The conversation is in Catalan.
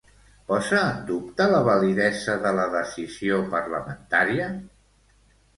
Posa en dubte la validesa de la decisió parlamentària?